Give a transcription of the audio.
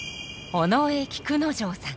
尾上菊之丞さん。